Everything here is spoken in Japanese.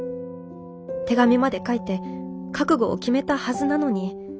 手紙まで書いて覚悟を決めたはずなのに。